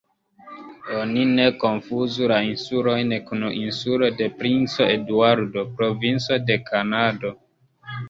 Oni ne konfuzu la insulojn kun Insulo de Princo Eduardo, provinco de Kanado.